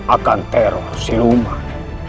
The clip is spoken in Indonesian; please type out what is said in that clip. akan teror siluman